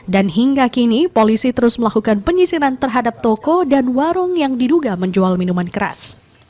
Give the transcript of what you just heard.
dan hingga kini polisi terus melakukan penyisiran terhadap toko dan warung yang diduga menjual minuman keras